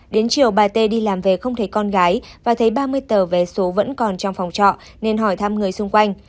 đến chiều bà tê đi làm về không thấy con gái và thấy ba mươi tờ vé số vẫn còn trong phòng trọ nên hỏi thăm người xung quanh